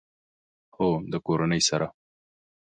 هو، د کورنۍ سره